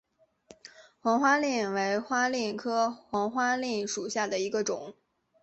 黄花蔺为花蔺科黄花蔺属下的一个种。